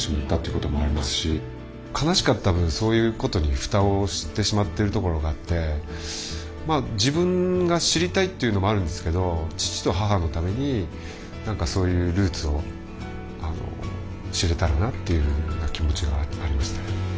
悲しかった分そういうことに蓋をしてしまってるところがあってまあ自分が知りたいっていうのもあるんですけど父と母のために何かそういうルーツをあの知れたらなっていうふうな気持ちがありましたね。